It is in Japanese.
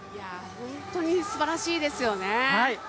本当にすばらしいですよね。